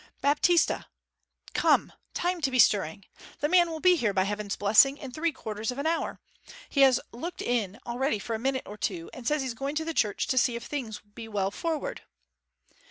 'Baptista! Come, time to be stirring! The man will be here, by Heaven's blessing, in three quarters of an hour. He has looked in already for a minute or two and says he's going to the church to see if things be well forward.'